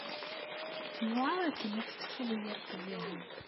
Yewɛer akken ad tekkseḍ yir ṭṭbiɛa.